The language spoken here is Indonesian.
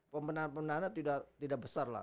pembenaan pembenaannya tidak tidak besar lah